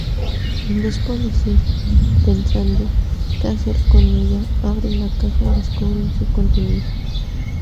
Dos policías, pensando que hacer con ella, abren la caja y descubren su contenido.